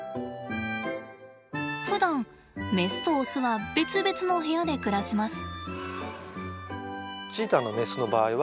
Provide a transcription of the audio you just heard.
ふだんメスとオスは別々の部屋で暮らします。